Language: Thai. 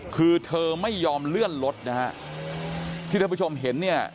คือเธอไม่ยอมเลื่อนรถนะฮะที่ท่านผู้ชมเห็นเนี่ย